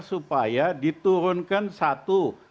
supaya diturunkan satu